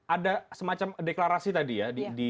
ada semacam deklarasi tadi ya